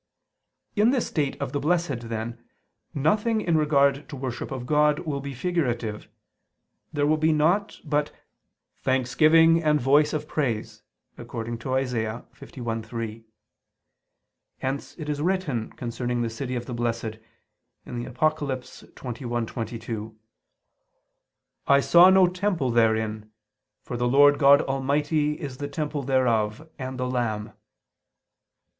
In this state of the Blessed, then, nothing in regard to worship of God will be figurative; there will be naught but "thanksgiving and voice of praise" (Isa. 51:3). Hence it is written concerning the city of the Blessed (Apoc. 21:22): "I saw no temple therein: for the Lord God Almighty is the temple thereof, and the Lamb."